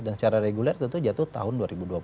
dan secara reguler tentu jatuh tahun dua ribu dua puluh empat